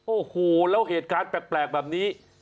โอ้โหแล้วเหตุการณ์แปลกแบบนี้